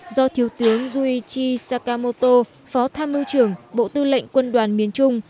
do thiếu tướng juichi sakamoto phó tham mưu trưởng bộ tư lệnh quân đoàn miền trung